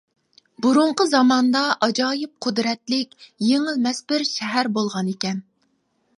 بۇرۇنقى زاماندا ئاجايىپ قۇدرەتلىك، يېڭىلمەس بىر شەھەر بولغانىكەن.